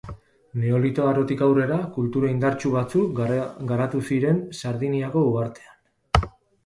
Neolito Arotik aurrera kultura indartsu batzuk garatu ziren Sardiniako uhartean.